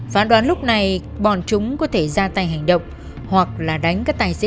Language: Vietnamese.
phán đoán lúc này bọn chúng có thể ra tay hành động hoặc là đánh các tài xế